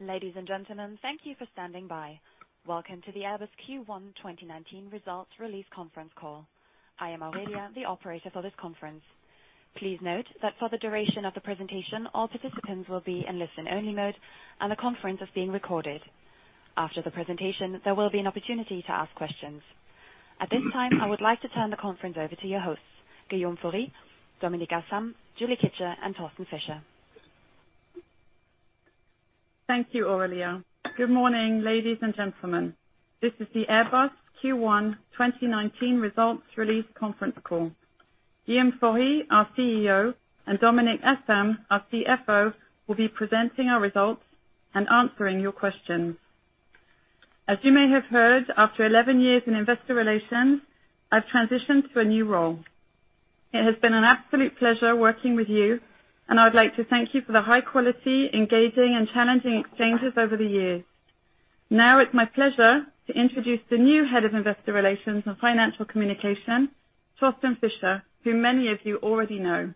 Ladies and gentlemen, thank you for standing by. Welcome to the Airbus Q1 2019 results release conference call. I am Aurelia, the operator for this conference. Please note that for the duration of the presentation, all participants will be in listen-only mode, and the conference is being recorded. After the presentation, there will be an opportunity to ask questions. At this time, I would like to turn the conference over to your hosts, Guillaume Faury, Dominik Asam, Julie Kitcher, and Thorsten Fischer. Thank you, Aurelia. Good morning, ladies and gentlemen. This is the Airbus Q1 2019 results release conference call. Guillaume Faury, our CEO, and Dominik Asam, our CFO, will be presenting our results and answering your questions. As you may have heard, after 11 years in investor relations, I've transitioned to a new role. It has been an absolute pleasure working with you, and I would like to thank you for the high-quality, engaging, and challenging exchanges over the years. Now it's my pleasure to introduce the new Head of Investor Relations and Financial Communication, Thorsten Fischer, who many of you already know.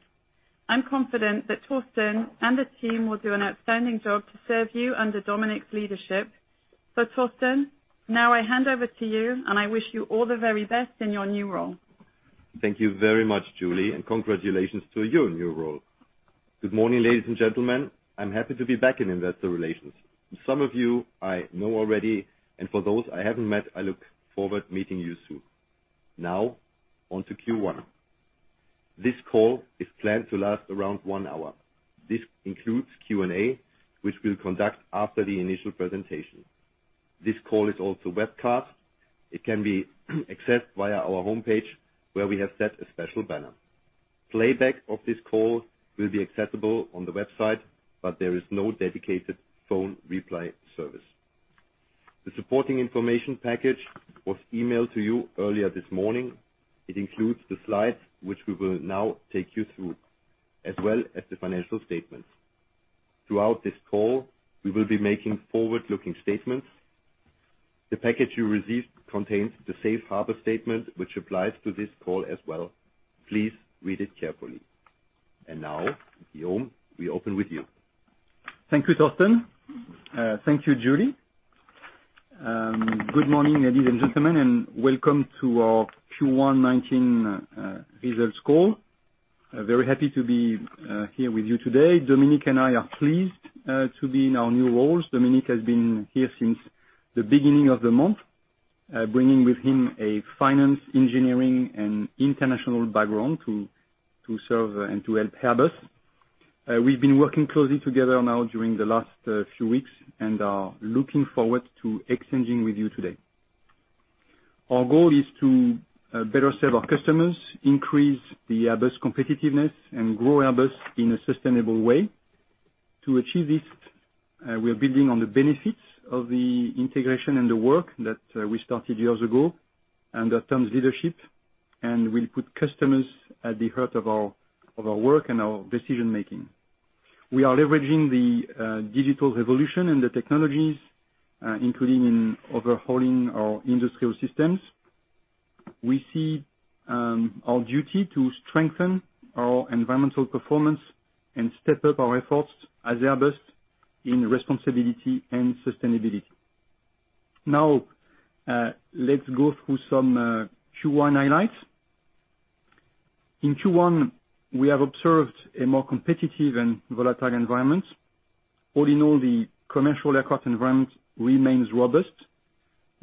I'm confident that Thorsten and the team will do an outstanding job to serve you under Dominik's leadership. Thorsten, now I hand over to you, and I wish you all the very best in your new role. Thank you very much, Julie, and congratulations to you in your role. Good morning, ladies and gentlemen. I'm happy to be back in investor relations. Some of you I know already, and for those I haven't met, I look forward meeting you soon. Now, on to Q1. This call is planned to last around one hour. This includes Q&A, which we'll conduct after the initial presentation. This call is also webcast. It can be accessed via our homepage, where we have set a special banner. Playback of this call will be accessible on the website, but there is no dedicated phone replay service. The supporting information package was emailed to you earlier this morning. It includes the slides, which we will now take you through, as well as the financial statements. Throughout this call, we will be making forward-looking statements. The package you received contains the safe harbor statement, which applies to this call as well. Please read it carefully. Now, Guillaume, we open with you. Thank you, Thorsten. Thank you, Julie. Good morning, ladies and gentlemen, and welcome to our Q1 2019 results call. Very happy to be here with you today. Dominik and I are pleased to be in our new roles. Dominik has been here since the beginning of the month, bringing with him a finance, engineering, and international background to serve and to help Airbus. We have been working closely together now during the last few weeks and are looking forward to exchanging with you today. Our goal is to better serve our customers, increase the Airbus competitiveness, and grow Airbus in a sustainable way. To achieve this, we are building on the benefits of the integration and the work that we started years ago under Tom's leadership. We will put customers at the heart of our work and our decision-making. We are leveraging the digital revolution and the technologies, including in overhauling our industrial systems. We see our duty to strengthen our environmental performance and step up our efforts as Airbus in responsibility and sustainability. Now, let us go through some Q1 highlights. In Q1, we have observed a more competitive and volatile environment. All in all, the commercial aircraft environment remains robust.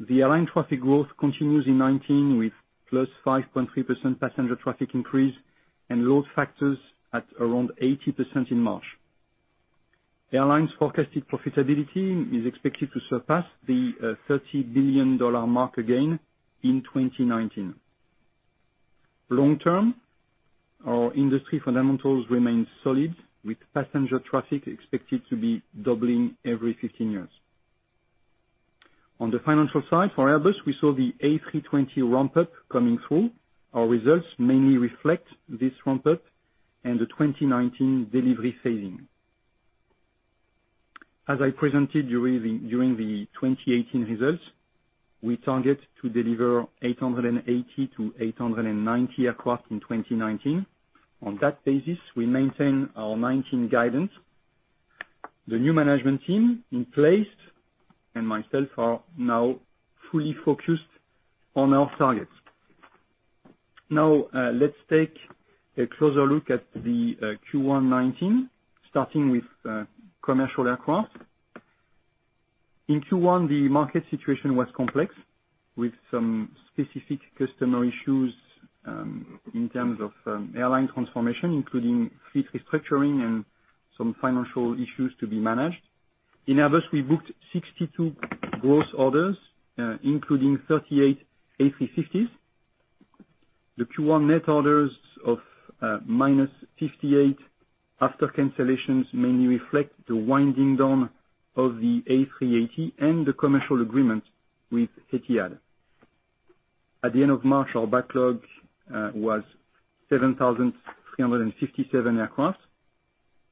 The airline traffic growth continues in 2019 with +5.3% passenger traffic increase and load factors at around 80% in March. The airline's forecasted profitability is expected to surpass the EUR 30 billion mark again in 2019. Long term, our industry fundamentals remain solid, with passenger traffic expected to be doubling every 15 years. On the financial side for Airbus, we saw the A320 ramp-up coming through. Our results mainly reflect this ramp-up and the 2019 delivery phasing. As I presented during the 2018 results, we target to deliver 880 to 890 aircraft in 2019. On that basis, we maintain our 2019 guidance. The new management team in place, and myself, are now fully focused on our targets. Now, let us take a closer look at the Q1 2019, starting with commercial aircraft. In Q1, the market situation was complex, with some specific customer issues in terms of airline transformation, including fleet restructuring and some financial issues to be managed. In Airbus, we booked 62 gross orders, including 38 A350s. The Q1 net orders of -58 after cancellations mainly reflect the winding down of the A380 and the commercial agreement with Etihad. At the end of March, our backlog was 7,357 aircraft.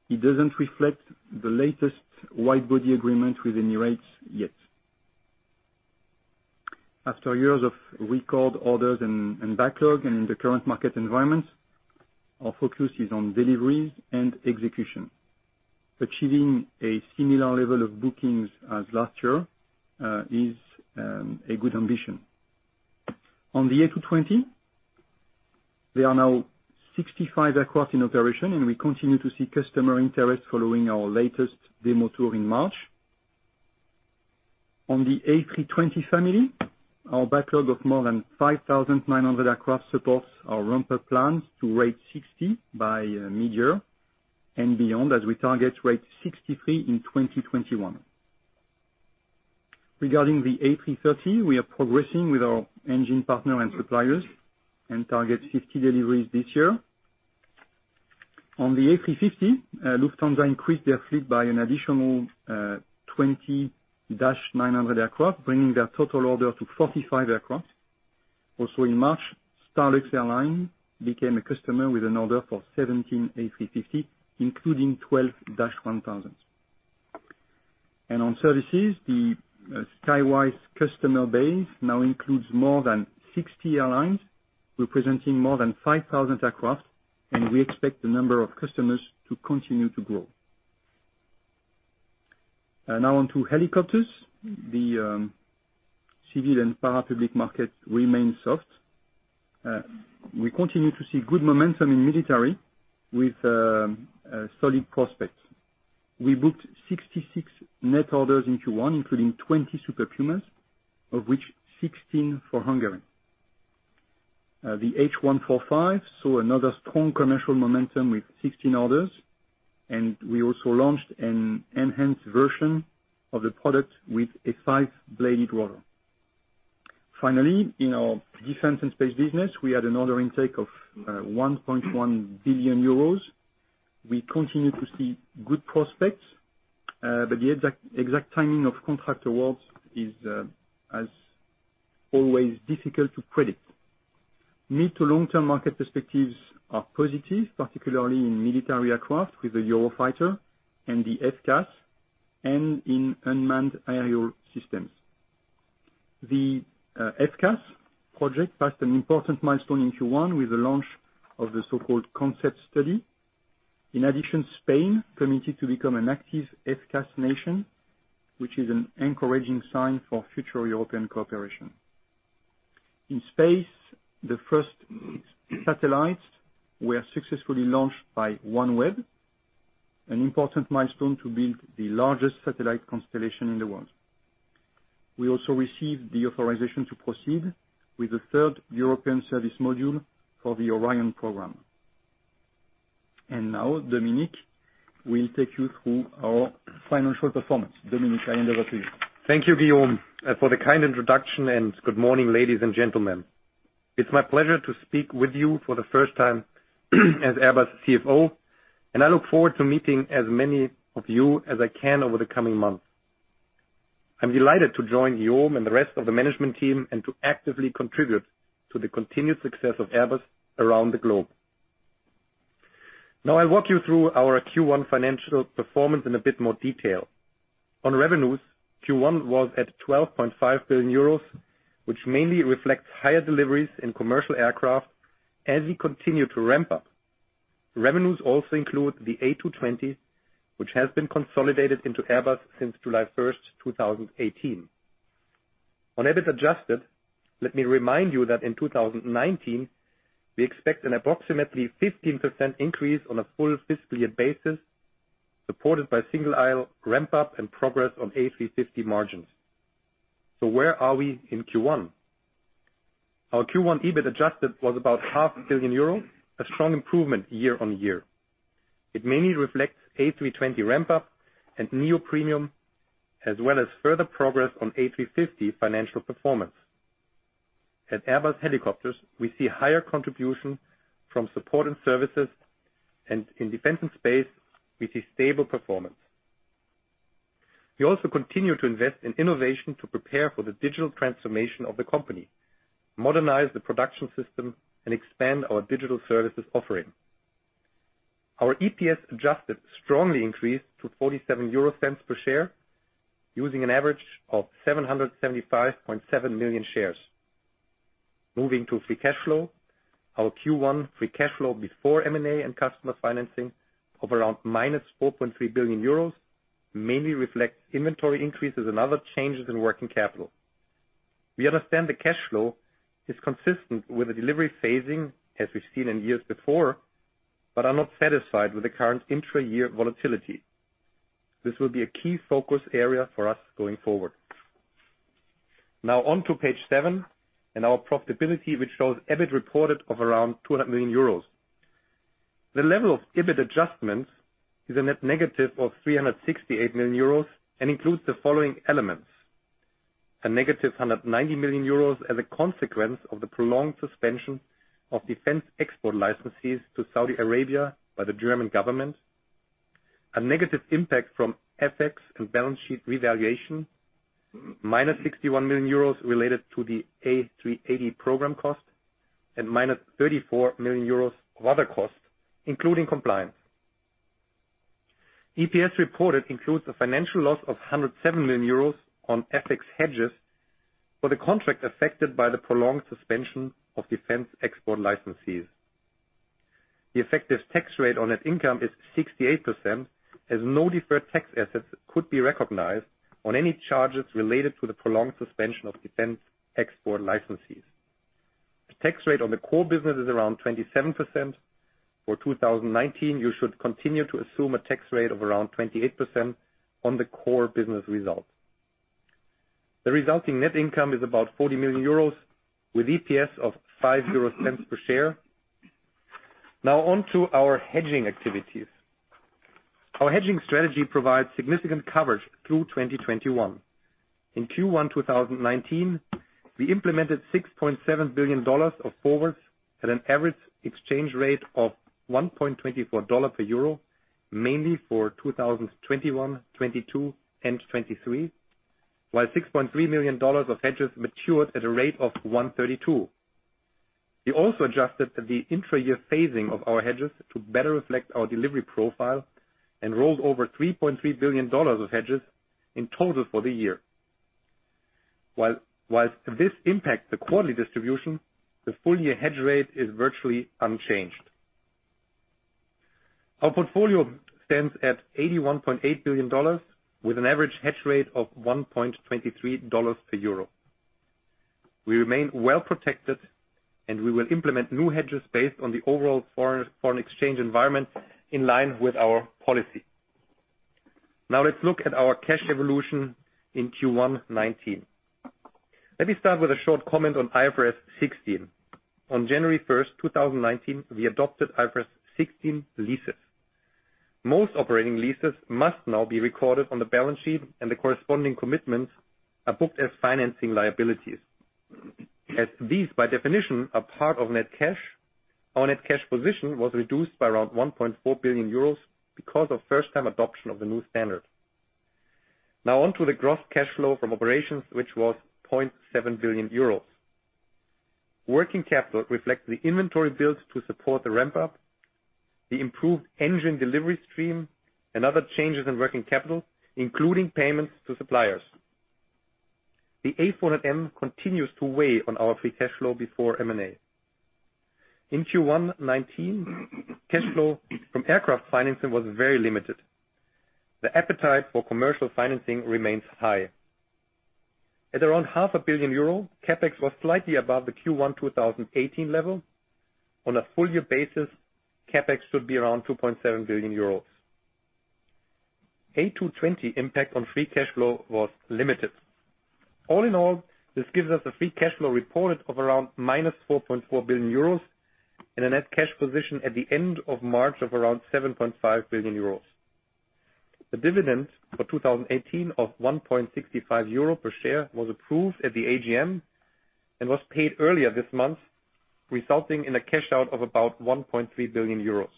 It does not reflect the latest wide-body agreement with Emirates yet. After years of record orders and backlog, in the current market environment, our focus is on deliveries and execution. Achieving a similar level of bookings as last year is a good ambition. On the A220, there are now 65 aircraft in operation, and we continue to see customer interest following our latest demo tour in March. On the A320 family, our backlog of more than 5,900 aircraft supports our ramp-up plans to rate 60 by mid-year and beyond, as we target rate 63 in 2021. Regarding the A330, we are progressing with our engine partner and suppliers and target 50 deliveries this year. On the A350, Lufthansa increased their fleet by an additional 20-900 aircraft, bringing their total order to 45 aircraft. Also in March, STARLUX Airlines became a customer with an order for 17 A350, including 12-1000s. On services, the Skywise customer base now includes more than 60 airlines, representing more than 5,000 aircraft, and we expect the number of customers to continue to grow. On to helicopters. The civil and parapublic market remains soft. We continue to see good momentum in military with solid prospects. We booked 66 net orders in Q1, including 20 Super Pumas, of which 16 for Hungary. The H145 saw another strong commercial momentum with 16 orders, and we also launched an enhanced version of the product with a five-bladed rotor. In our defense and space business, we had an order intake of 1.1 billion euros. We continue to see good prospects, but the exact timing of contract awards is, as always, difficult to predict. Mid- to long-term market perspectives are positive, particularly in military aircraft with the Eurofighter and the FCAS, and in unmanned aerial systems. The FCAS project passed an important milestone in Q1 with the launch of the so-called concept study. Spain committed to become an active FCAS nation, which is an encouraging sign for future European cooperation. In space, the first satellites were successfully launched by OneWeb, an important milestone to build the largest satellite constellation in the world. We also received the authorization to proceed with the third European service module for the Orion program. Now Dominik will take you through our financial performance. Dominik, I hand over to you. Thank you, Guillaume, for the kind introduction, and good morning, ladies and gentlemen. It's my pleasure to speak with you for the first time as Airbus CFO, and I look forward to meeting as many of you as I can over the coming months. I'm delighted to join Guillaume and the rest of the management team, and to actively contribute to the continued success of Airbus around the globe. I'll walk you through our Q1 financial performance in a bit more detail. On revenues, Q1 was at 12.5 billion euros, which mainly reflects higher deliveries in commercial aircraft as we continue to ramp up. Revenues also include the A220, which has been consolidated into Airbus since July 1st, 2018. On EBIT adjusted, let me remind you that in 2019, we expect an approximately 15% increase on a full fiscal year basis, supported by single-aisle ramp-up and progress on A350 margins. Where are we in Q1? Our Q1 EBIT adjusted was about half billion EUR, a strong improvement year-on-year. It mainly reflects A320 ramp-up and NEO premium, as well as further progress on A350 financial performance. At Airbus Helicopters, we see higher contribution from support and services, and in defense and space, we see stable performance. We also continue to invest in innovation to prepare for the digital transformation of the company, modernize the production system, and expand our digital services offering. Our EPS adjusted strongly increased to 0.47 per share, using an average of 775.7 million shares. Moving to free cash flow, our Q1 free cash flow before M&A and customer financing of around minus 4.3 billion euros mainly reflects inventory increases and other changes in working capital. We understand the cash flow is consistent with the delivery phasing as we've seen in years before, but are not satisfied with the current intra-year volatility. This will be a key focus area for us going forward. Now on to page seven and our profitability, which shows EBIT reported of around 200 million euros. The level of EBIT adjustments is a net negative of 368 million euros and includes the following elements: A negative 190 million euros as a consequence of the prolonged suspension of defense export licenses to Saudi Arabia by the German government, a negative impact from FX and balance sheet revaluation, minus 61 million euros related to the A380 program cost, and minus 34 million euros of other costs, including compliance. EPS reported includes a financial loss of 107 million euros on FX hedges for the contract affected by the prolonged suspension of defense export licenses. The effective tax rate on net income is 68%, as no deferred tax assets could be recognized on any charges related to the prolonged suspension of defense export licenses. The tax rate on the core business is around 27%. For 2019, you should continue to assume a tax rate of around 28% on the core business result. The resulting net income is about 40 million euros, with EPS of 0.05 per share. Now on to our hedging activities. Our hedging strategy provides significant coverage through 2021. In Q1 2019, we implemented $6.7 billion of forwards at an average exchange rate of $1.24 per euro, mainly for 2021, 2022, and 2023. While $6.3 million of hedges matured at a rate of $132. We also adjusted the intra-year phasing of our hedges to better reflect our delivery profile and rolled over $3.3 billion of hedges in total for the year. Whilst this impacts the quarterly distribution, the full-year hedge rate is virtually unchanged. Our portfolio stands at $81.8 billion, with an average hedge rate of $1.23 per euro. We remain well-protected, and we will implement new hedges based on the overall foreign exchange environment in line with our policy. Now let's look at our cash evolution in Q1 2019. Let me start with a short comment on IFRS 16. On January 1st, 2019, we adopted IFRS 16 leases. Most operating leases must now be recorded on the balance sheet, and the corresponding commitments are booked as financing liabilities. As these, by definition, are part of net cash, our net cash position was reduced by around 1.4 billion euros because of first-time adoption of the new standard. Now on to the gross cash flow from operations, which was 0.7 billion euros. Working capital reflects the inventory build to support the ramp-up, the improved engine delivery stream, and other changes in working capital, including payments to suppliers. The A400M continues to weigh on our free cash flow before M&A. In Q1 2019, cash flow from aircraft financing was very limited. The appetite for commercial financing remains high. At around half a billion EUR, CapEx was slightly above the Q1 2018 level. On a full-year basis, CapEx should be around 2.7 billion euros. A220 impact on free cash flow was limited. All in all, this gives us a free cash flow reported of around minus 4.4 billion euros and a net cash position at the end of March of around 7.5 billion euros. The dividend for 2018 of 1.65 euro per share was approved at the AGM and was paid earlier this month, resulting in a cash-out of about 1.3 billion euros.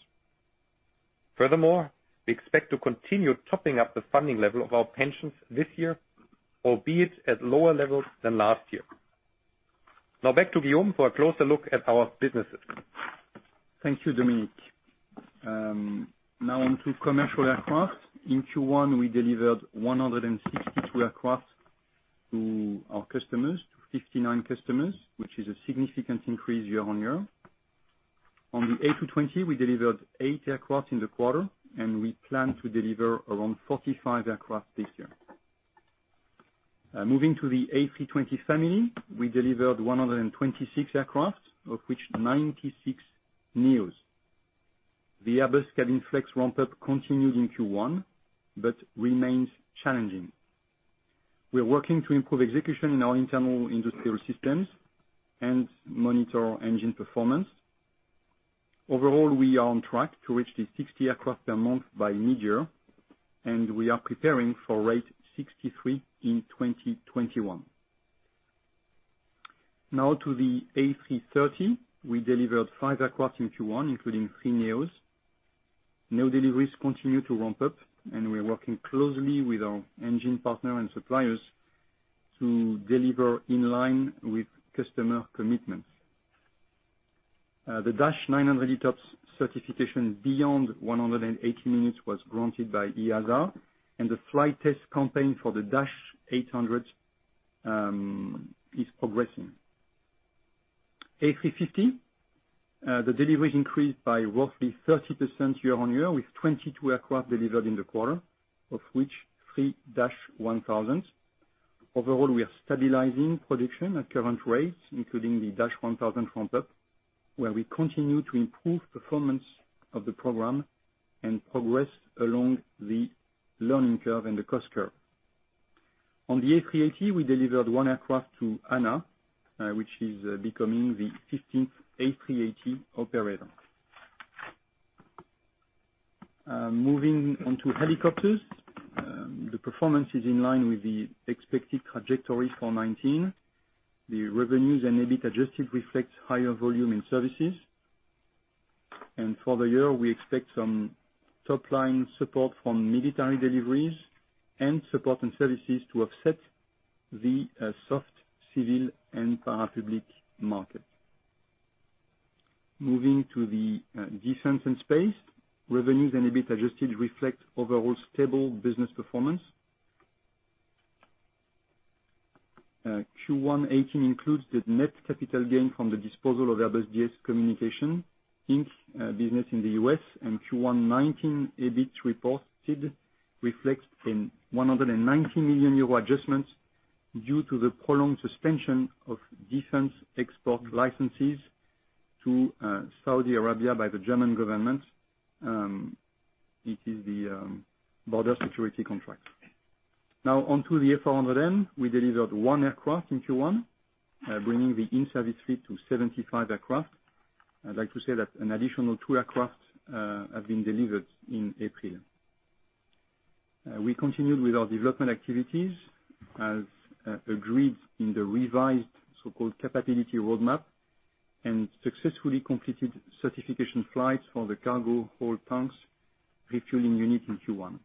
Furthermore, we expect to continue topping up the funding level of our pensions this year, albeit at lower levels than last year. Now back to Guillaume for a closer look at our businesses. Thank you, Dominik. Now on to commercial aircraft. In Q1, we delivered 162 aircraft to our customers, to 59 customers, which is a significant increase year-on-year. On the A220, we delivered eight aircraft in the quarter, and we plan to deliver around 45 aircraft this year. Moving to the A320 family, we delivered 126 aircraft, of which 96 NEOs. The Airbus Cabin Flex ramp-up continued in Q1 but remains challenging. We are working to improve execution in our internal industrial systems and monitor engine performance. Overall, we are on track to reach the 60 aircraft per month by mid-year, and we are preparing for rate 63 in 2021. Now to the A330. We delivered five aircraft in Q1, including three NEOs. NEO deliveries continue to ramp up, and we are working closely with our engine partner and suppliers to deliver in line with customer commitments. The Dash 900 ETOPS certification beyond 180 minutes was granted by EASA, and the flight test campaign for the Dash 800 is progressing. A350, the deliveries increased by roughly 30% year-on-year with 22 aircraft delivered in the quarter, of which, three Dash 1000s. Overall, we are stabilizing production at current rates, including the Dash 1000 ramp-up, where we continue to improve performance of the program and progress along the learning curve and the cost curve. On the A380, we delivered one aircraft to ANA, which is becoming the 15th A380 operator. Moving on to helicopters. The performance is in line with the expected trajectory for 2019. The revenues and EBIT adjusted reflect higher volume in services. For the year, we expect some top-line support from military deliveries and support and services to offset the soft civil and parapublic market. Moving to the defense and space, revenues and EBIT adjusted reflect overall stable business performance. Q1 2018 includes the net capital gain from the disposal of Airbus DS Communications Inc. business in the U.S., and Q1 2019 EBIT reported reflects a 190 million euro adjustment due to the prolonged suspension of defense export licenses to Saudi Arabia by the German government. This is the border security contract. Now on to the A400M. We delivered one aircraft in Q1, bringing the in-service fleet to 75 aircraft. I'd like to say that an additional two aircraft have been delivered in April. We continued with our development activities as agreed in the revised so-called capability roadmap and successfully completed certification flights for the cargo hold tanks refueling unit in Q1.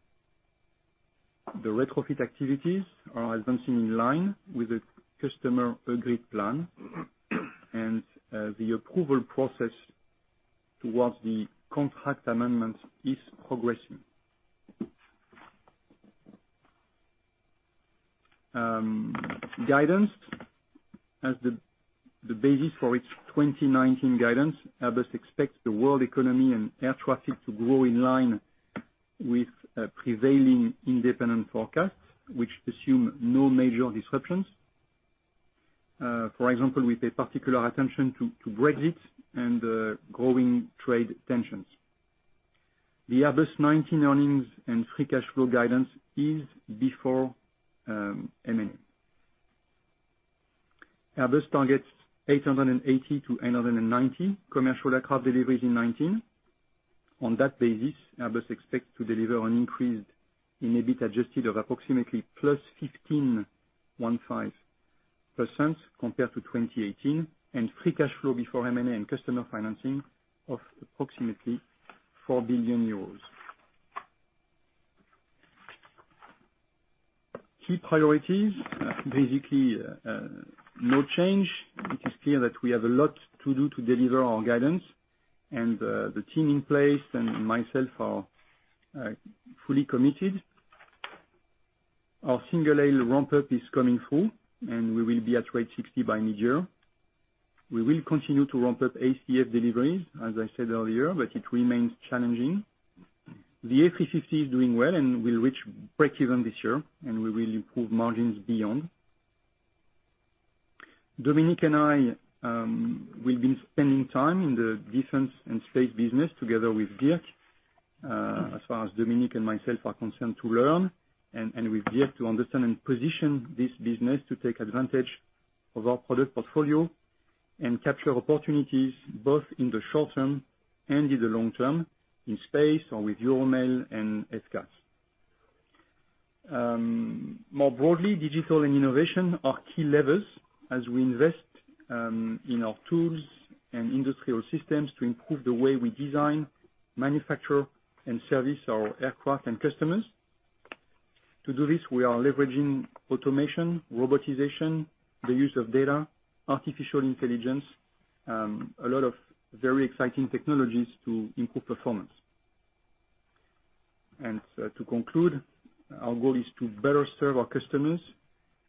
The retrofit activities are advancing in line with the customer-agreed plan, and the approval process towards the contract amendment is progressing. Guidance. As the basis for its 2019 guidance, Airbus expects the world economy and air traffic to grow in line with prevailing independent forecasts, which assume no major disruptions. For example, we pay particular attention to Brexit and growing trade tensions. The Airbus 2019 earnings and free cash flow guidance is before M&A. Airbus targets 880 to 890 commercial aircraft deliveries in 2019. On that basis, Airbus expects to deliver an increase in EBIT adjusted of approximately +15.15% compared to 2018, and free cash flow before M&A and customer financing of approximately EUR 4 billion. Key priorities. Basically, no change. It is clear that we have a lot to do to deliver our guidance, and the team in place and myself are fully committed. Our single-aisle ramp-up is coming through, and we will be at rate 60 by mid-year. We will continue to ramp up ACF deliveries, as I said earlier, but it remains challenging. The A350 is doing well and will reach breakeven this year, and we will improve margins beyond. Dominik and I will be spending time in the Defence and Space business together with Dirk, as far as Dominik and myself are concerned, to learn and with Dirk to understand and position this business to take advantage of our product portfolio and capture opportunities both in the short term and in the long term, in space or with Euromale and FCAS. More broadly, digital and innovation are key levers as we invest in our tools and industrial systems to improve the way we design, manufacture, and service our aircraft and customers. To conclude, our goal is to better serve our customers,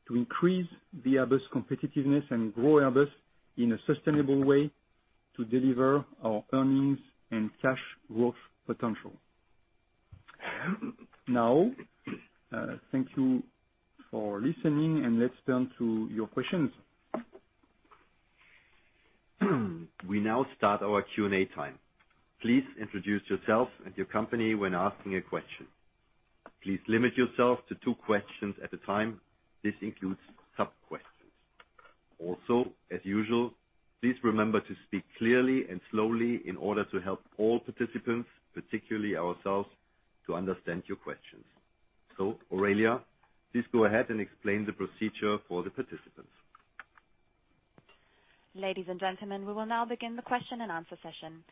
to increase the Airbus competitiveness, and grow Airbus in a sustainable way to deliver our earnings and cash growth potential. Now, thank you for listening, and let's turn to your questions. We now start our Q&A time. Please introduce yourself and your company when asking a question. Please limit yourself to two questions at a time. This includes sub-questions. Also, as usual, please remember to speak clearly and slowly in order to help all participants, particularly ourselves, to understand your questions. Aurelia, please go ahead and explain the procedure for the participants. Ladies and gentlemen, we will now begin the question and answer session.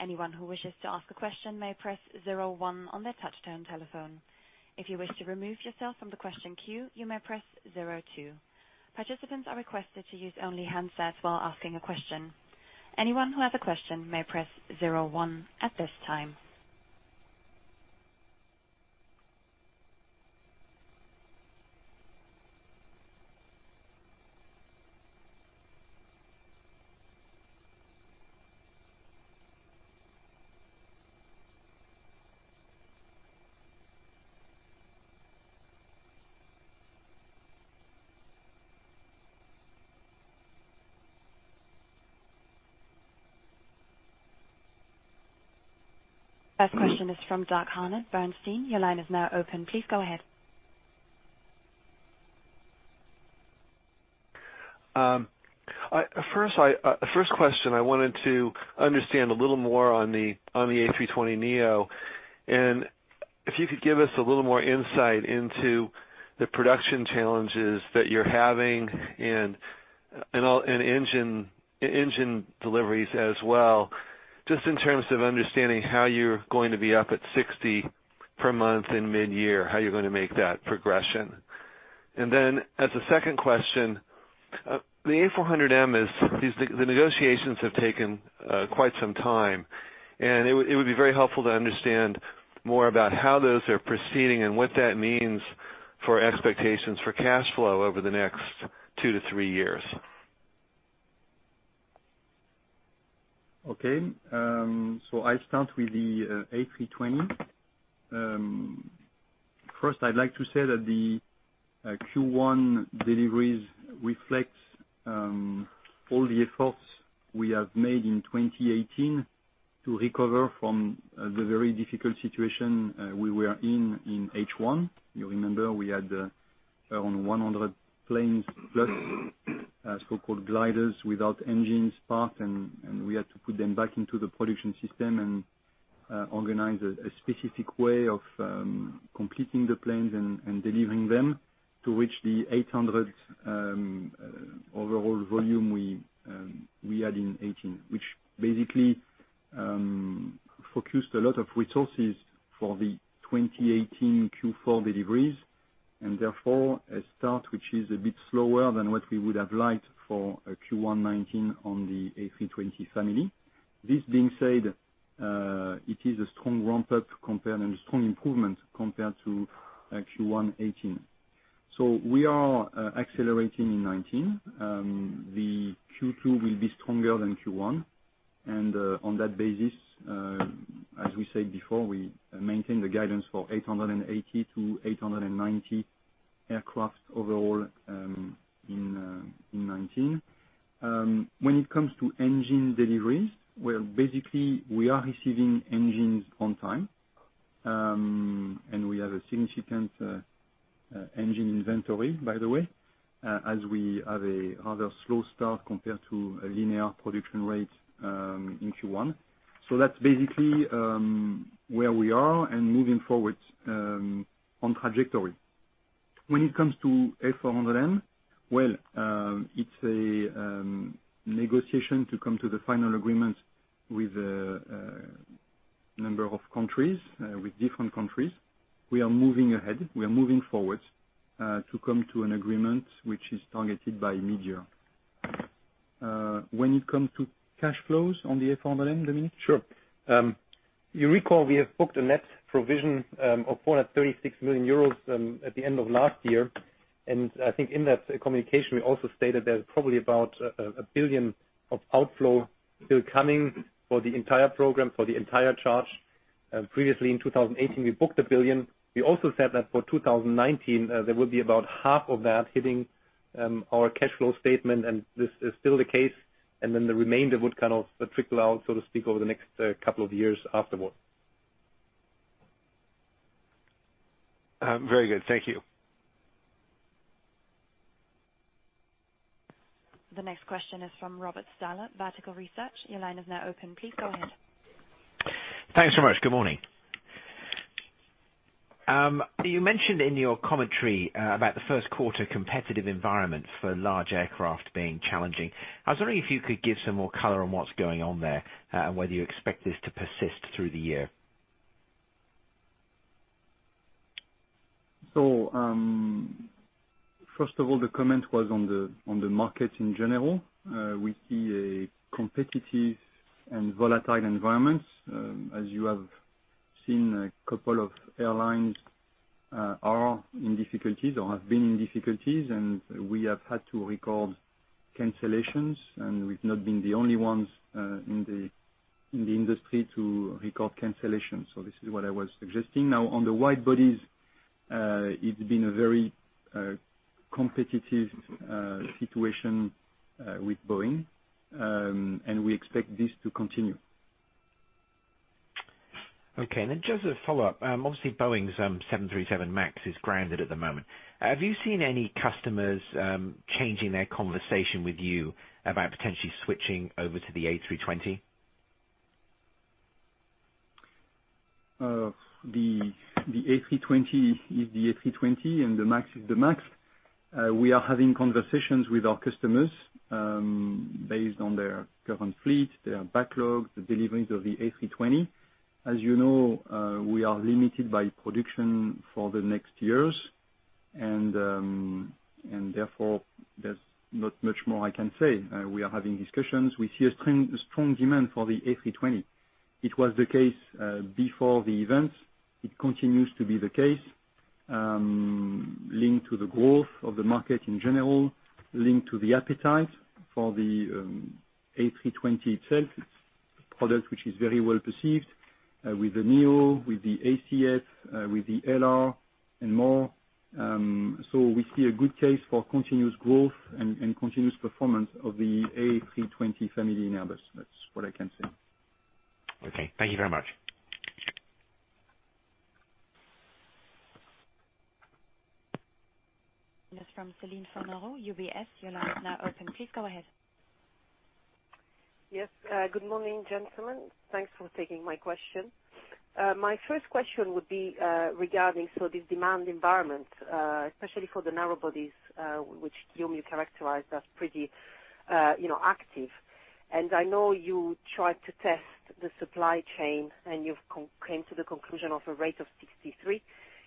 Anyone who wishes to ask a question may press zero one on their touchtone telephone. If you wish to remove yourself from the question queue, you may press zero two. Participants are requested to use only handsets while asking a question. Anyone who has a question may press zero one at this time. First question is from Douglas Harned, Bernstein. Your line is now open. Please go ahead. First question, I wanted to understand a little more on the A320neo, if you could give us a little more insight into the production challenges that you're having and engine deliveries as well, just in terms of understanding how you're going to be up at 60 per month in mid-year, how you're going to make that progression. As a second question, the A400M, the negotiations have taken quite some time, and it would be very helpful to understand more about how those are proceeding and what that means for expectations for cash flow over the next two to three years. Okay. I'll start with the A320. First, I'd like to say that the Q1 deliveries reflect all the efforts we have made in 2018 to recover from the very difficult situation we were in in H1. You remember we had around 100 planes, plus so-called gliders without engines, parked, and we had to put them back into the production system and organize a specific way of completing the planes and delivering them to reach the 800 overall volume we had in 2018. Which basically focused a lot of resources for the 2018 Q4 deliveries, and therefore, a start, which is a bit slower than what we would have liked for Q1 2019 on the A320 family. This being said, it is a strong ramp-up and a strong improvement compared to Q1 2018. We are accelerating in 2019. The Q2 will be stronger than Q1, on that basis, as we said before, we maintain the guidance for 880 to 890 aircraft overall in 2019. When it comes to engine deliveries, well, basically we are receiving engines on time, we have a significant engine inventory, by the way, as we have a rather slow start compared to a linear production rate in Q1. That's basically where we are, moving forward on trajectory. When it comes to A400M, well, it's a negotiation to come to the final agreement with a number of countries, with different countries. We are moving ahead. We are moving forward to come to an agreement which is targeted by mid-year. When it comes to cash flows on the A400M, Dominik? Sure. You recall we have booked a net provision of 36 million euros at the end of last year. I think in that communication, we also stated there's probably about 1 billion of outflow still coming for the entire program, for the entire charge. Previously, in 2018, we booked 1 billion. We also said that for 2019, there would be about half of that hitting our cash flow statement. This is still the case. The remainder would kind of trickle out, so to speak, over the next couple of years afterward. Very good. Thank you. The next question is from Robert Stallard, Vertical Research. Your line is now open. Please go ahead. Thanks so much. Good morning. You mentioned in your commentary about the first quarter competitive environment for large aircraft being challenging. I was wondering if you could give some more color on what's going on there, whether you expect this to persist through the year. First of all, the comment was on the market in general. We see a competitive and volatile environment. As you have seen, a couple of airlines are in difficulties or have been in difficulties, and we have had to record cancellations, and we've not been the only ones in the industry to record cancellations. This is what I was suggesting. Now, on the wide-bodies, it's been a very competitive situation with Boeing, and we expect this to continue. Okay. Just a follow-up. Obviously, Boeing's 737 MAX is grounded at the moment. Have you seen any customers changing their conversation with you about potentially switching over to the A320? The A320 is the A320, and the MAX is the MAX. We are having conversations with our customers, based on their current fleet, their backlog, the deliveries of the A320. As you know, we are limited by production for the next years, therefore, there's not much more I can say. We are having discussions. We see a strong demand for the A320. It was the case before the event. It continues to be the case, linked to the growth of the market in general, linked to the appetite for the A320 itself. It's a product which is very well received with the NEO, with the ACF, with the A321LR, and more. We see a good case for continuous growth and continuous performance of the A320 family in Airbus. That's what I can say. Okay. Thank you very much. From Celine Fornaro, UBS. Your line is now open. Please go ahead. Yes. Good morning, gentlemen. Thanks for taking my question. My first question would be regarding this demand environment, especially for the narrow bodies, which Guillaume, you characterized as pretty active. I know you tried to test the supply chain, and you've come to the conclusion of a rate of 63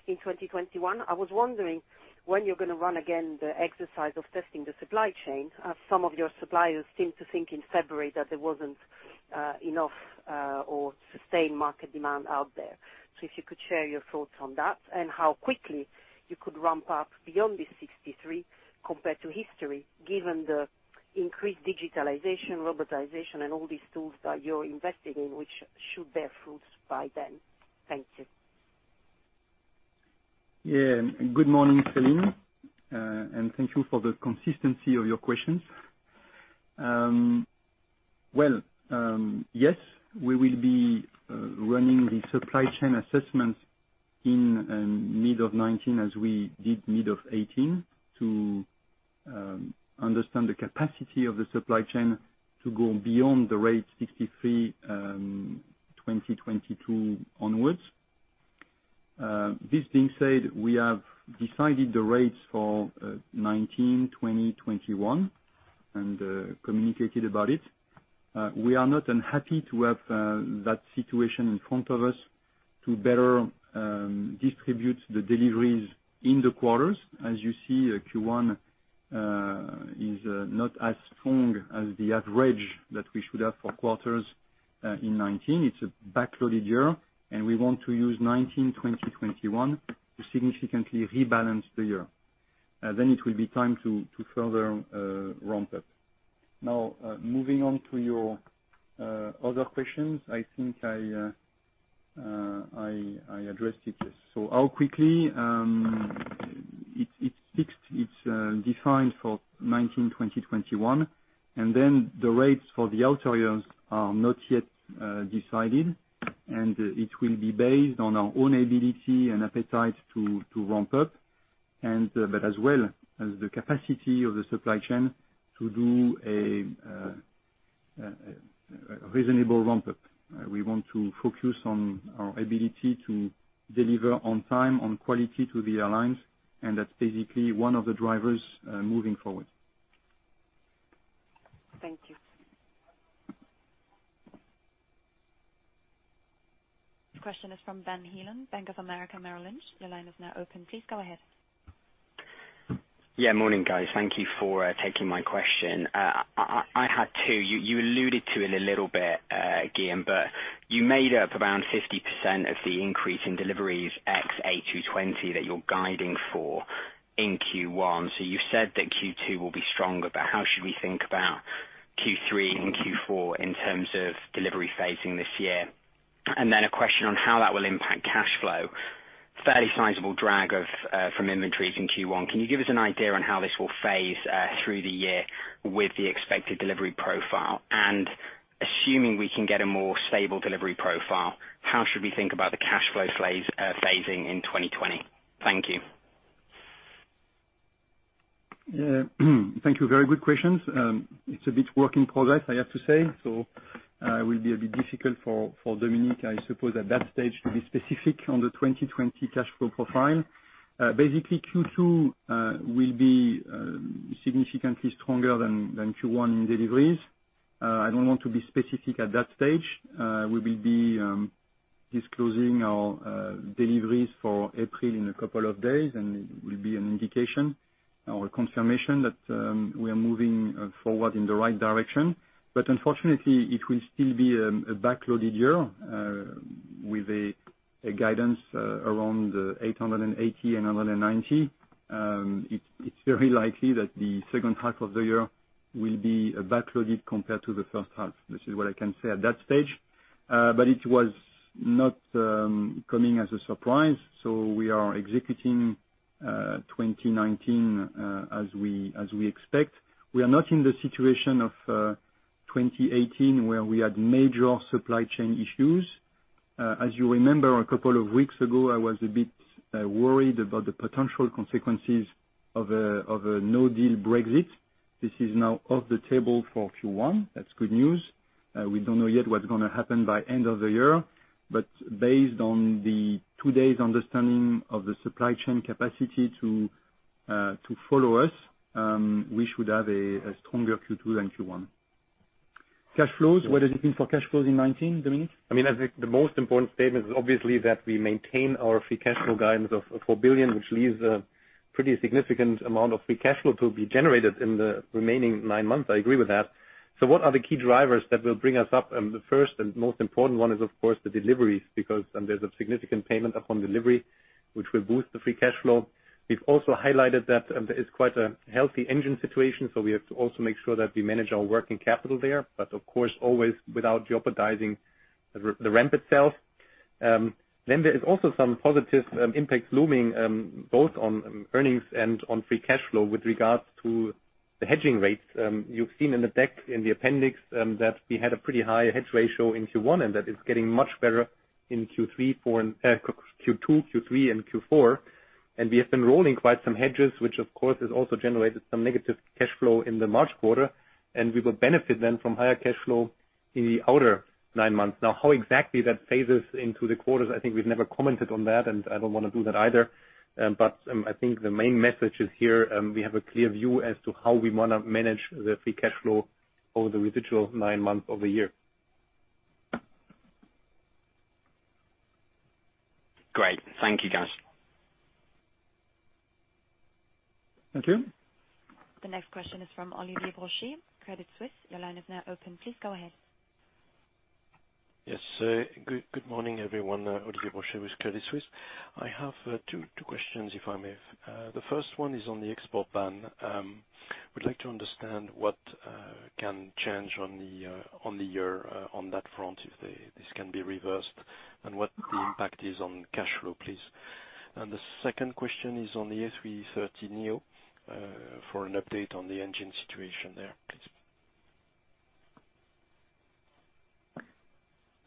in 2021. I was wondering when you're going to run again the exercise of testing the supply chain, as some of your suppliers seem to think in February that there wasn't enough or sustained market demand out there. If you could share your thoughts on that and how quickly you could ramp up beyond the 63 compared to history, given the increased digitalization, robotization, and all these tools that you're investing in, which should bear fruit by then. Thank you. Good morning, Celine, and thank you for the consistency of your questions. Yes, we will be running the supply chain assessments in mid of 2019 as we did mid of 2018 to understand the capacity of the supply chain to go beyond the rate 63, 2022 onwards. This being said, we have decided the rates for 2019, 2020, 2021, and communicated about it. We are not unhappy to have that situation in front of us to better distribute the deliveries in the quarters. As you see, Q1 is not as strong as the average that we should have for quarters in 2019. It's a backloaded year, and we want to use 2019, 2020, 2021 to significantly rebalance the year. It will be time to further ramp up. Moving on to your other questions. I think I addressed it. How quickly? It's fixed. It's defined for 2019, 2020, 2021, the rates for the out years are not yet decided, it will be based on our own ability and appetite to ramp up, but as well as the capacity of the supply chain to do a reasonable ramp up. We want to focus on our ability to deliver on time, on quality to the airlines, that's basically one of the drivers moving forward. Thank you. The question is from Benjamin Heelan, Bank of America Merrill Lynch. Your line is now open. Please go ahead. Yeah, morning, guys. Thank you for taking my question. I had two. You alluded to it a little bit, Guillaume, but you made up around 50% of the increase in deliveries X A220 that you're guiding for in Q1. You said that Q2 will be stronger, but how should we think about Q3 and Q4 in terms of delivery phasing this year? Then a question on how that will impact cash flow. Fairly sizable drag from inventories in Q1. Can you give us an idea on how this will phase through the year with the expected delivery profile? Assuming we can get a more stable delivery profile, how should we think about the cash flow phasing in 2020? Thank you. Thank you. Very good questions. It's a bit work in progress, I have to say, it will be a bit difficult for Dominik, I suppose, at that stage to be specific on the 2020 cash flow profile. Basically, Q2 will be significantly stronger than Q1 in deliveries. I don't want to be specific at that stage. We will be disclosing our deliveries for April in a couple of days, it will be an indication or a confirmation that we are moving forward in the right direction. Unfortunately, it will still be a backloaded year with a guidance around 880 and 890. It's very likely that the second half of the year will be backloaded compared to the first half. This is what I can say at that stage. It was not coming as a surprise, we are executing 2019 as we expect. We are not in the situation of 2018, where we had major supply chain issues. As you remember, a couple of weeks ago, I was a bit worried about the potential consequences of a no-deal Brexit. This is now off the table for Q1. That's good news. We don't know yet what's going to happen by end of the year, but based on today's understanding of the supply chain capacity to follow us, we should have a stronger Q2 than Q1. Cash flows, what does it mean for cash flows in 2019, Dominik? I think the most important statement is obviously that we maintain our free cash flow guidance of 4 billion, which leaves a pretty significant amount of free cash flow to be generated in the remaining nine months. I agree with that. What are the key drivers that will bring us up? The first and most important one is, of course, the deliveries, because there's a significant payment upon delivery, which will boost the free cash flow. We've also highlighted that there is quite a healthy engine situation, so we have to also make sure that we manage our working capital there. Of course, always without jeopardizing the ramp itself. There is also some positive impact looming, both on earnings and on free cash flow with regards to the hedging rates. You've seen in the back, in the appendix, that we had a pretty high hedge ratio in Q1, that is getting much better in Q2, Q3, and Q4. We have been rolling quite some hedges, which of course has also generated some negative cash flow in the March quarter, and we will benefit then from higher cash flow. In the outer nine months. How exactly that phases into the quarters, I think we've never commented on that, and I don't want to do that either. I think the main message is here, we have a clear view as to how we want to manage the free cash flow over the residual nine months of the year. Great. Thank you, guys. Thank you. The next question is from Olivier Brochet, Credit Suisse. Your line is now open. Please go ahead. Yes. Good morning, everyone. Olivier Brochet with Credit Suisse. I have two questions, if I may. The first one is on the export ban. Would like to understand what can change on the year on that front, if this can be reversed, and what the impact is on cash flow, please. The second question is on the A330neo, for an update on the engine situation there.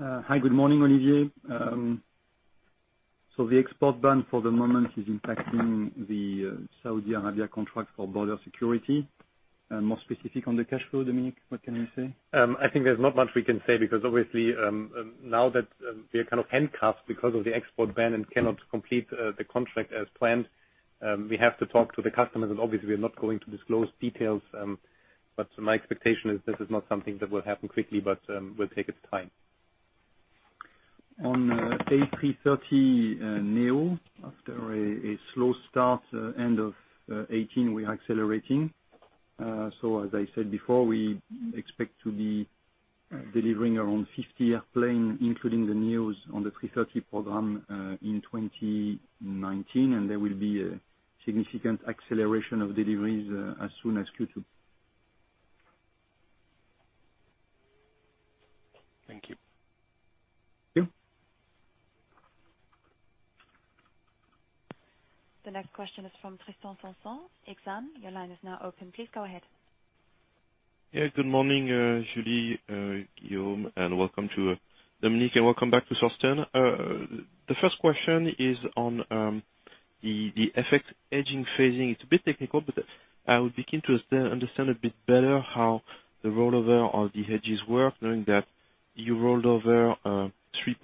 Hi, good morning, Olivier. The export ban for the moment is impacting the Saudi Arabia contract for border security. More specific on the cash flow, Dominik, what can you say? I think there's not much we can say because obviously, now that we are kind of handcuffed because of the export ban and cannot complete the contract as planned, we have to talk to the customers and obviously we're not going to disclose details. My expectation is this is not something that will happen quickly, but will take its time. On A330neo, after a slow start end of 2018, we are accelerating. As I said before, we expect to be delivering around 50 airplane, including the NEOs on the 330 program, in 2019, and there will be a significant acceleration of deliveries as soon as Q2. Thank you. Thank you. The next question is from Tristan Sanson, Exane. Your line is now open. Please go ahead. Yeah, good morning, Julie, Guillaume, Dominik, and welcome back to Thorsten. The first question is on the FX hedging phasing. It is a bit technical, but I would be keen to understand a bit better how the rollover of the hedges work, knowing that you rolled over EUR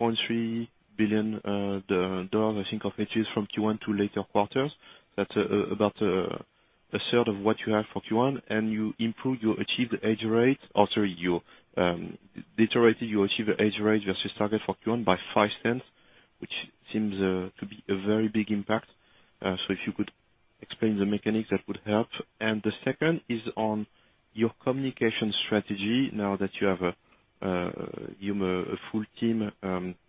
3.3 billion, I think, of hedges from Q1 to later quarters. That is about a third of what you have for Q1, and you improved your achieved hedge rate. Also, you deteriorated your achieved hedge rate versus target for Q1 by 0.05, which seems to be a very big impact. If you could explain the mechanics, that would help. The second is on your communication strategy now that you have a full team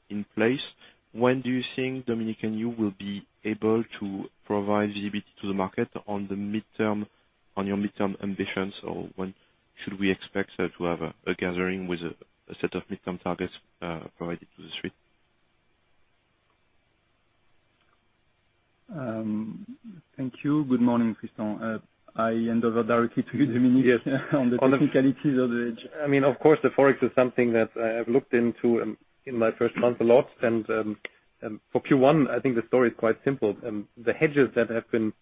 in place. When do you think, Dominik, you will be able to provide visibility to the market on your midterm ambitions, or when should we expect to have a gathering with a set of midterm targets provided to the Street? Thank you. Good morning, Tristan. I hand over directly to Dominik. Yes. On the technicalities of the hedge. Of course, the Forex is something that I've looked into in my first month a lot, for Q1, I think the story is quite simple. The hedges that have been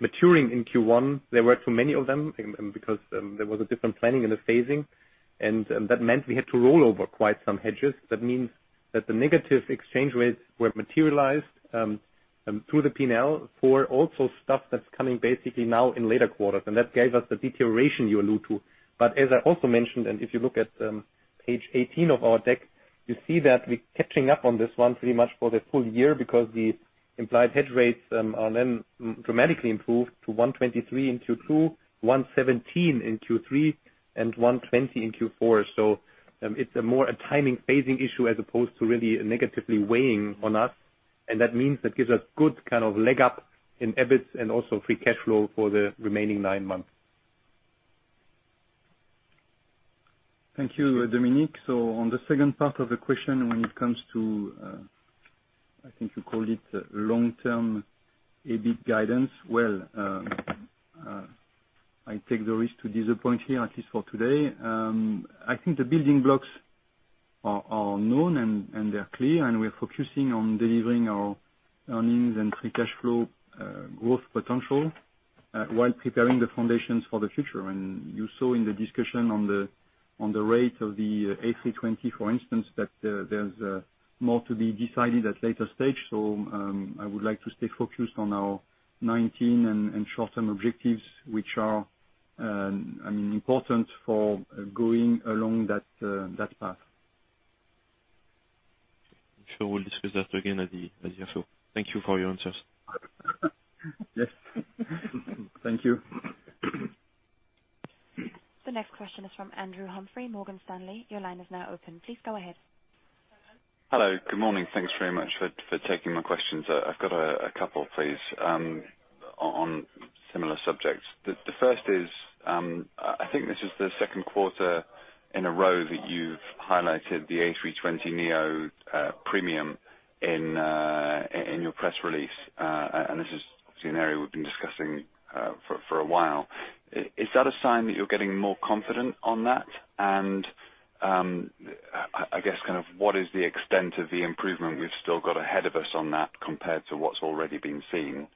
maturing in Q1, there were too many of them because there was a different planning in the phasing, and that meant we had to roll over quite some hedges. That means that the negative exchange rates were materialized through the P&L for also stuff that's coming basically now in later quarters, and that gave us the deterioration you allude to. As I also mentioned, and if you look at page 18 of our deck, you see that we're catching up on this one pretty much for the full year because the implied hedge rates are then dramatically improved to $1.23 in Q2, $1.17 in Q3, and $1.20 in Q4. It's more a timing phasing issue as opposed to really negatively weighing on us, and that means that gives us good leg up in EBIT and also free cash flow for the remaining nine months. Thank you, Dominik. On the second part of the question, when it comes to, I think you called it long-term EBIT guidance. I take the risk to disappoint here, at least for today. I think the building blocks are known, they're clear, we're focusing on delivering our earnings and free cash flow growth potential while preparing the foundations for the future. You saw in the discussion on the rate of the A320, for instance, that there's more to be decided at later stage. I would like to stay focused on our 2019 and short-term objectives, which are important for going along that path. I'm sure we'll discuss that again at the year two. Thank you for your answers. Yes. Thank you. The next question is from Andrew Humphrey, Morgan Stanley. Your line is now open. Please go ahead. Hello. Good morning. Thanks very much for taking my questions. I've got a couple, please, on similar subjects. The first is, I think this is the second quarter in a row that you've highlighted the A320neo premium in your press release. This is obviously an area we've been discussing for a while. Is that a sign that you're getting more confident on that? I guess, what is the extent of the improvement we've still got ahead of us on that compared to what's already been seen?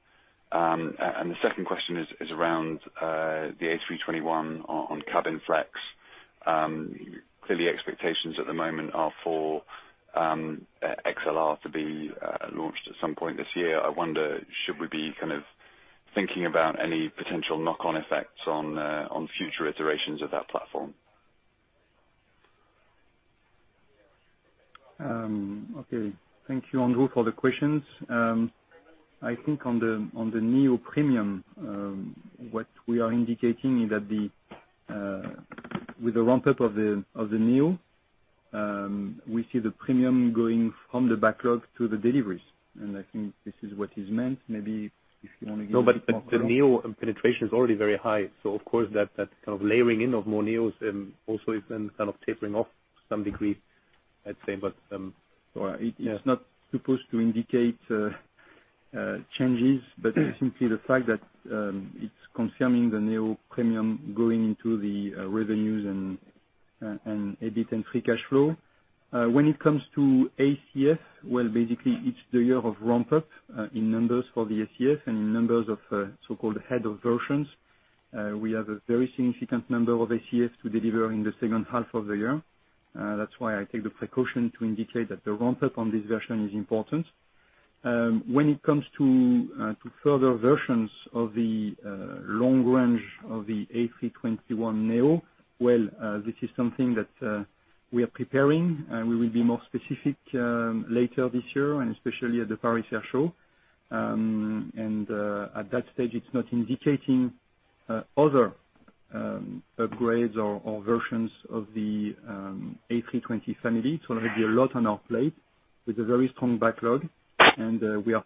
The second question is around the A321 on cabin flex. Clearly, expectations at the moment are for A321XLR to be launched at some point this year. I wonder, should we be thinking about any potential knock-on effects on future iterations of that platform? Okay. Thank you, Andrew, for the questions. I think on the NEO premium, what we are indicating is that with the ramp-up of the NEO, we see the premium going from the backlog to the deliveries. I think this is what is meant. Maybe if you want to give more color. No. The NEO penetration is already very high. Of course, that kind of layering in of more NEOs also is then kind of tapering off to some degree, I'd say. Well, it's not supposed to indicate changes, but simply the fact that it's confirming the NEO premium going into the revenues and EBIT and free cash flow. When it comes to ACF, well, basically, it's the year of ramp-up in numbers for the ACF and in numbers of so-called head of versions. We have a very significant number of ACFs to deliver in the second half of the year. That's why I take the precaution to indicate that the ramp-up on this version is important. When it comes to further versions of the long range of the A321 NEO, well, this is something that we are preparing, and we will be more specific later this year, especially at the Paris Air Show. At that stage, it's not indicating other upgrades or versions of the A320 family. It's going to be a lot on our plate with a very strong backlog, and we are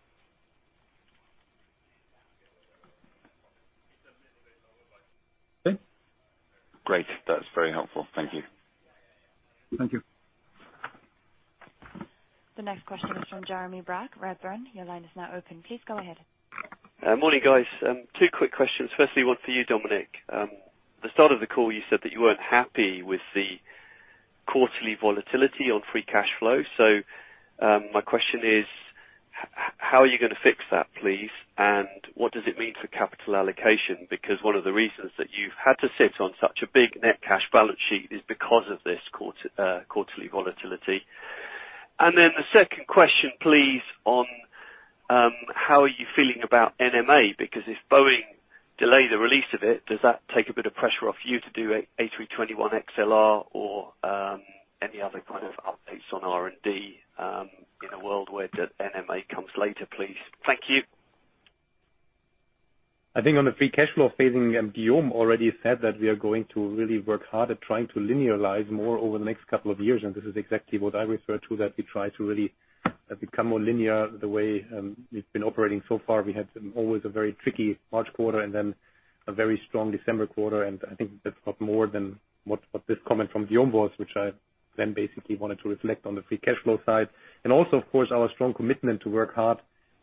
Okay. Great. That's very helpful. Thank you. Thank you. The next question is from Jeremy Evans, Redburn. Your line is now open. Please go ahead. Morning, guys. Two quick questions. Firstly, one for you, Dominik. At the start of the call, you said that you weren't happy with the quarterly volatility on free cash flow. My question is, how are you going to fix that, please? What does it mean for capital allocation? Because one of the reasons that you've had to sit on such a big net cash balance sheet is because of this quarterly volatility. The second question, please, on how are you feeling about NMA, because if Boeing delay the release of it, does that take a bit of pressure off you to do A321 A321XLR or any other kind of updates on R&D in a world where that NMA comes later, please? Thank you. I think on the free cash flow phasing, Guillaume already said that we are going to really work hard at trying to linearize more over the next couple of years, this is exactly what I refer to, that we try to really become more linear the way we've been operating so far. We had always a very tricky March quarter a very strong December quarter, I think that's what more than what this comment from Guillaume was, which I then basically wanted to reflect on the free cash flow side. Also, of course, our strong commitment to work hard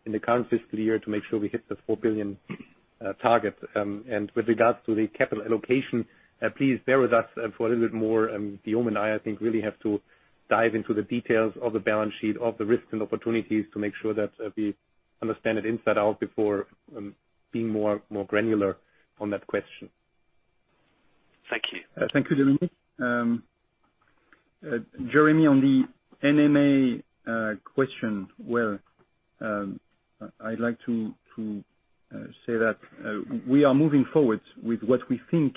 in the current fiscal year to make sure we hit the 4 billion target. With regards to the capital allocation, please bear with us for a little bit more. Guillaume and I think really have to dive into the details of the balance sheet, of the risks and opportunities, to make sure that we understand it inside out before being more granular on that question. Thank you. Thank you, Dominik. Jeremy, on the NMA question, well, I'd like to say that we are moving forward with what we think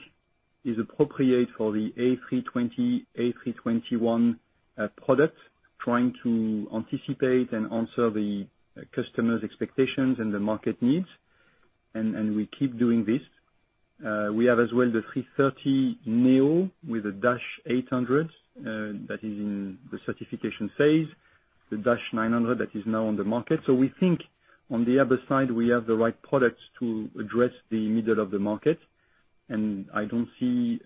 is appropriate for the A320, A321 product, trying to anticipate and answer the customer's expectations and the market needs, we keep doing this. We have as well the A330neo with a dash 800 that is in the certification phase, the dash 900 that is now on the market. We think on the Airbus side, we have the right products to address the middle of the market, I don't see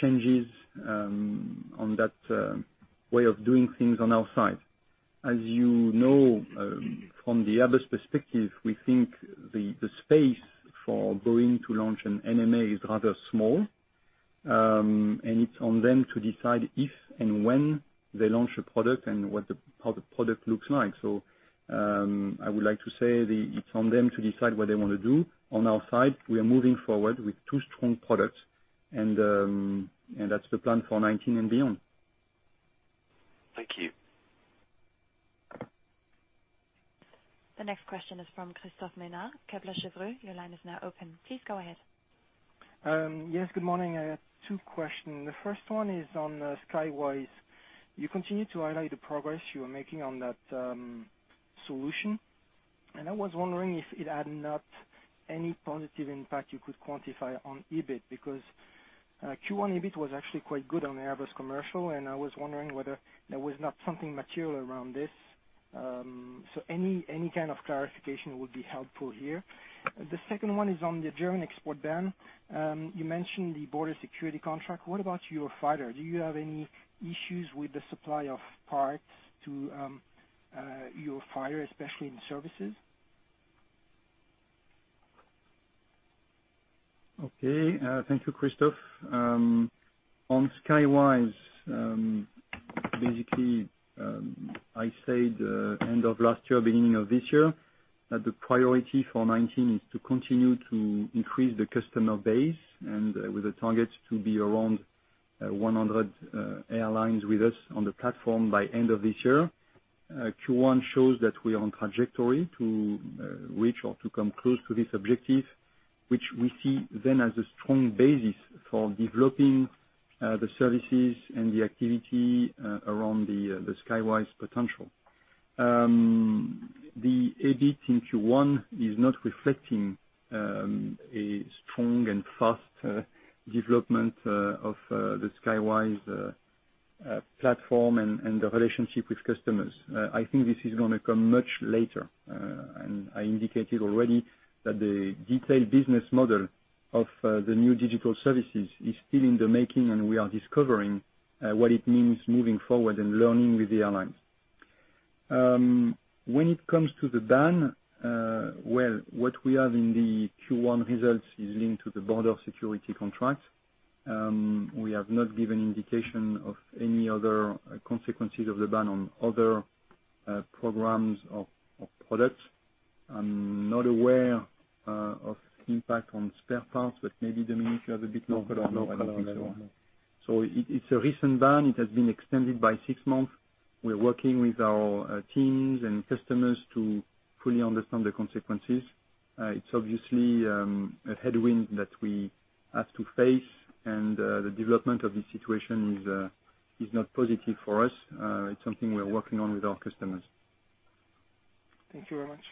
changes on that way of doing things on our side. As you know, from the Airbus perspective, we think the space for Boeing to launch an NMA is rather small, it's on them to decide if and when they launch a product and what the product looks like. I would like to say that it's on them to decide what they want to do. On our side, we are moving forward with two strong products, that's the plan for 2019 and beyond. Thank you. The next question is from Christophe Ménard, Kepler Cheuvreux. Your line is now open. Please go ahead. Yes, good morning. I have two questions. The first one is on Skywise. You continue to highlight the progress you are making on that solution, and I was wondering if it had not any positive impact you could quantify on EBIT, because Q1 EBIT was actually quite good on the Airbus commercial, and I was wondering whether there was not something material around this. Any kind of clarification would be helpful here. The second one is on the German export ban. You mentioned the border security contract. What about your Eurofighter? Do you have any issues with the supply of parts to your Eurofighter, especially in services? Okay. Thank you, Christophe. On Skywise, basically, I said end of last year, beginning of this year, that the priority for 2019 is to continue to increase the customer base, and with the target to be around 100 airlines with us on the platform by end of this year. Q1 shows that we are on trajectory to reach or to come close to this objective, which we see then as a strong basis for developing the services and the activity around the Skywise potential. The EBIT in Q1 is not reflecting a strong and fast development of the Skywise platform and the relationship with customers. I think this is going to come much later. I indicated already that the detailed business model of the new digital services is still in the making, and we are discovering what it means moving forward and learning with the airlines. When it comes to the ban, well, what we have in the Q1 results is linked to the border security contract. We have not given indication of any other consequences of the ban on other programs or products. I'm not aware of impact on spare parts, but maybe Dominik has a bit more. No comment at all. It's a recent ban. It has been extended by six months. We're working with our teams and customers to fully understand the consequences. It's obviously a headwind that we have to face. The development of this situation is not positive for us. It's something we're working on with our customers. Thank you very much.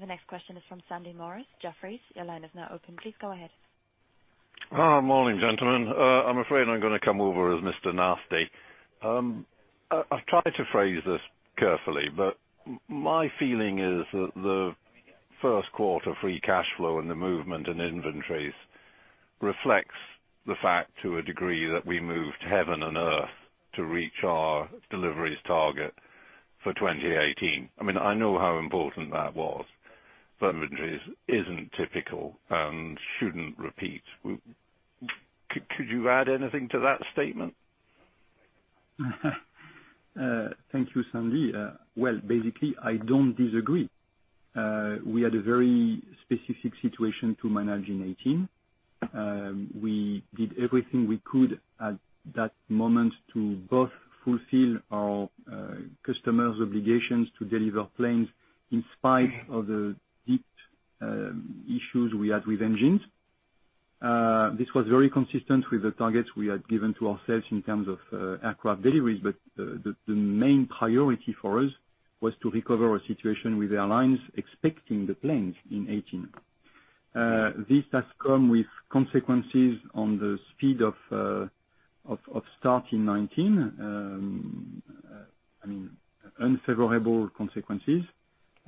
The next question is from Sandy Morris, Jefferies. Your line is now open. Please go ahead. Morning, gentlemen. I'm afraid I'm going to come over as Mr Nasty. I've tried to phrase this carefully, but my feeling is that the first quarter free cash flow and the movement in inventories reflects the fact, to a degree, that we moved heaven and earth to reach our deliveries target for 2018. I know how important that was, but inventories isn't typical and shouldn't repeat. Could you add anything to that statement? Thank you, Sandy. Basically, I don't disagree. We had a very specific situation to manage in 2018. We did everything we could at that moment to both fulfill our customers' obligations to deliver planes in spite of the deep issues we had with engines. This was very consistent with the targets we had given to ourselves in terms of aircraft deliveries, but the main priority for us was to recover a situation with airlines expecting the planes in 2018. This has come with consequences on the speed of start in 2019. Unfavorable consequences.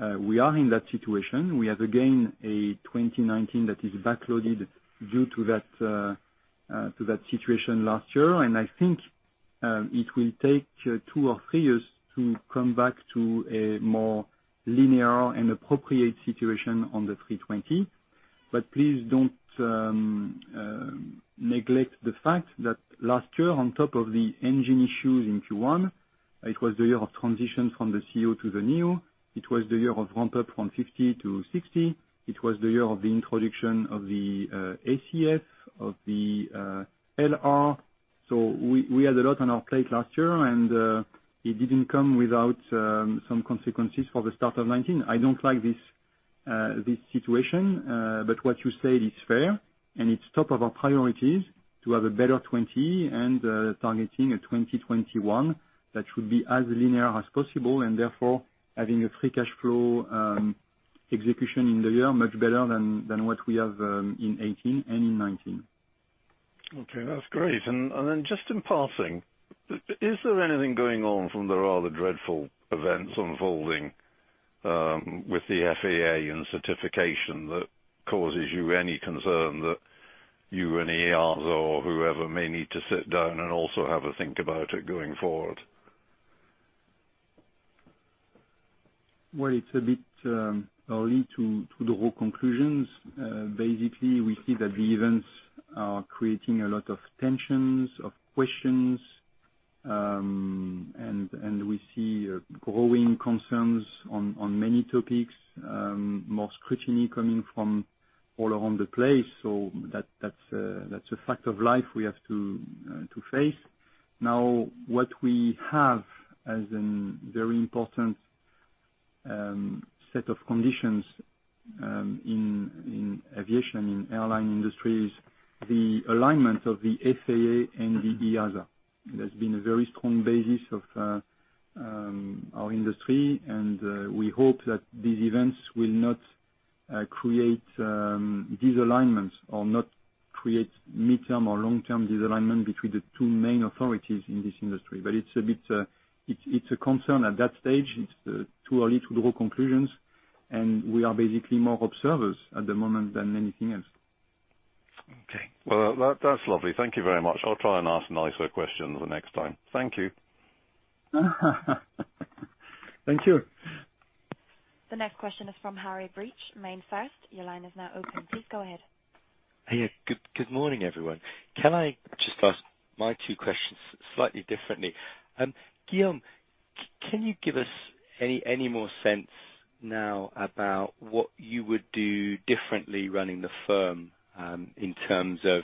We are in that situation. We have, again, a 2019 that is back-loaded due to that situation last year, and I think it will take two or three years to come back to a more linear and appropriate situation on the A320. Please don't neglect the fact that last year, on top of the engine issues in Q1, it was the year of transition from the CEO to the new. It was the year of ramp-up from 50 to 60. It was the year of the introduction of the ACF, of the A321LR. We had a lot on our plate last year, and it didn't come without some consequences for the start of 2019. I don't like this situation. What you said is fair, and it's top of our priorities to have a better 2020, and targeting a 2021 that should be as linear as possible, and therefore having a free cash flow execution in the year much better than what we have in 2018 and in 2019. That's great. Just in passing, is there anything going on from the rather dreadful events unfolding with the FAA and certification that causes you any concern that you and EASA or whoever may need to sit down and also have a think about it going forward? It's a bit early to draw conclusions. Basically, we see that the events are creating a lot of tensions, of questions, and we see growing concerns on many topics, more scrutiny coming from all around the place. That's a fact of life we have to face. Now, what we have as an very important set of conditions in aviation, in airline industries, the alignment of the FAA and the EASA. It has been a very strong basis of our industry, and we hope that these events will not create disalignment or not create mid-term or long-term disalignment between the two main authorities in this industry. It's a concern at that stage. It's too early to draw conclusions, and we are basically more observers at the moment than anything else. Okay. That's lovely. Thank you very much. I'll try and ask nicer questions the next time. Thank you. Thank you. The next question is from Harry Breach, MainFirst. Your line is now open. Please go ahead. Good morning, everyone. Can I just ask my two questions slightly differently? Guillaume, can you give us any more sense now about what you would do differently running the firm, in terms of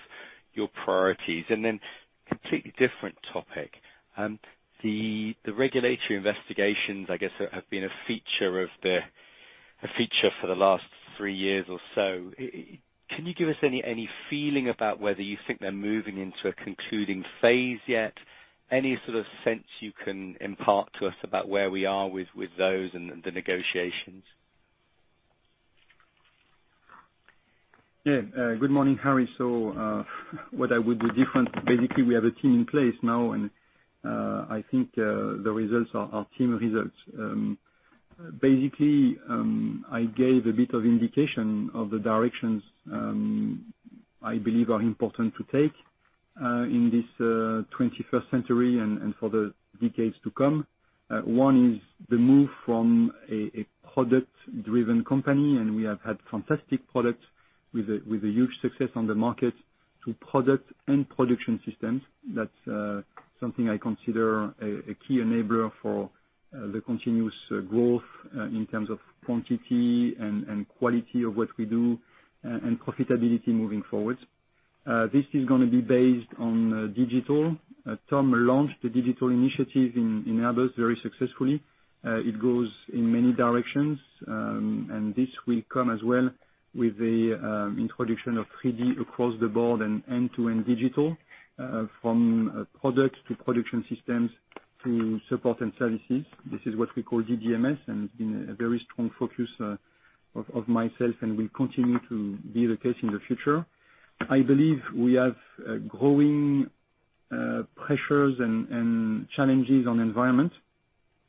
your priorities? Completely different topic, the regulatory investigations, I guess, have been a feature for the last three years or so. Can you give us any feeling about whether you think they're moving into a concluding phase yet? Any sort of sense you can impart to us about where we are with those and the negotiations? Good morning, Harry. What I would do different, basically, we have a team in place now, and I think the results are team results. Basically, I gave a bit of indication of the directions I believe are important to take, in this 21st century and for the decades to come. One is the move from a product-driven company, and we have had fantastic products with a huge success on the market, to product and production systems. That's something I consider a key enabler for the continuous growth, in terms of quantity and quality of what we do, and profitability moving forward. This is going to be based on digital. Tom launched the digital initiative in Airbus very successfully. It goes in many directions, and this will come as well with the introduction of 3D across the board and end-to-end digital, from product to production systems to support and services. This is what we call DDMS, and it's been a very strong focus of myself and will continue to be the case in the future. I believe we have growing pressures and challenges on environment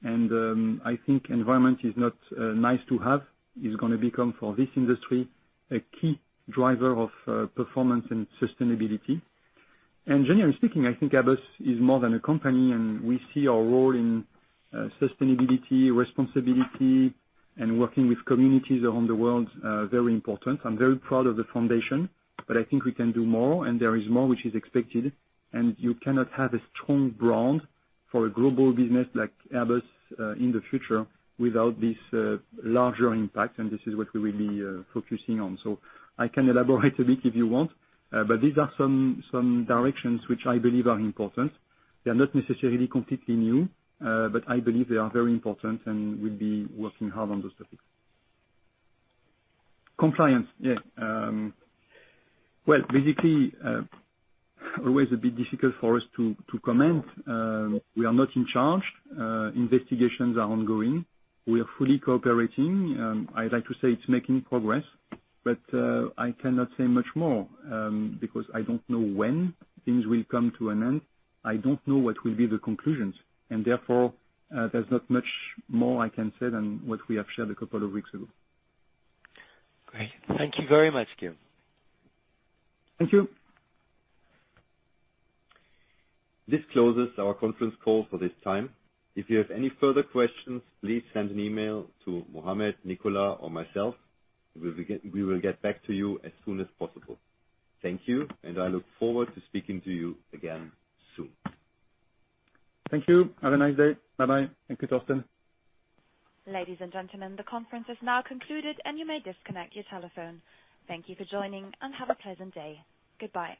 and, I think environment is not nice to have. It's going to become, for this industry, a key driver of performance and sustainability. Generally speaking, I think Airbus is more than a company, and we see our role in sustainability, responsibility, and working with communities around the world, very important. I'm very proud of the foundation, but I think we can do more, and there is more which is expected, and you cannot have a strong brand for a global business like Airbus in the future without this larger impact, and this is what we will be focusing on. I can elaborate a bit if you want, but these are some directions which I believe are important. They're not necessarily completely new, but I believe they are very important and will be working hard on those topics. Compliance. Basically, always a bit difficult for us to comment. We are not in charge. Investigations are ongoing. We are fully cooperating. I'd like to say it's making progress, but I cannot say much more, because I don't know when things will come to an end. I don't know what will be the conclusions, therefore, there's not much more I can say than what we have shared a couple of weeks ago. Great. Thank you very much, Guillaume. Thank you. This closes our conference call for this time. If you have any further questions, please send an email to Mohamed, Nicolas, or myself. We will get back to you as soon as possible. Thank you, I look forward to speaking to you again soon. Thank you. Have a nice day. Bye-bye. Thank you, Thorsten. Ladies and gentlemen, the conference is now concluded, and you may disconnect your telephone. Thank you for joining and have a pleasant day. Goodbye.